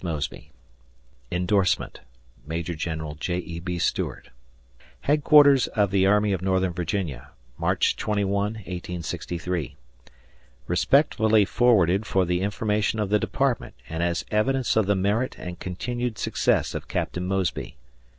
Mosby. (Indorsement) Maj. Gen. J. E. B. Stuart. Headquarters of the Army of Northern Virginia, March 21, 1863. Respectfully forwarded for the information of the department and as evidence of the merit and continued success of Captain Mosby.